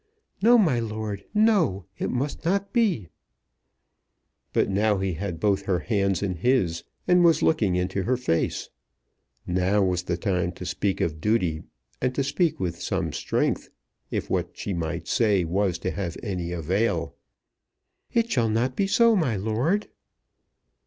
"No, my lord; no; it must not be." But now he had both her hands in his, and was looking into her face. Now was the time to speak of duty, and to speak with some strength, if what she might say was to have any avail. "It shall not be so, my lord."